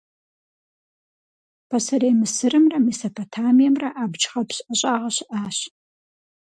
Пасэрей Мысырымрэ Месопотамиемрэ абджгъэпщ ӀэщӀагъэ щыӀащ.